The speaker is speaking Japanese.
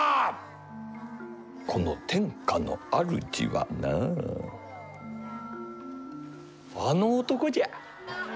この天下の主はなあの男じゃ。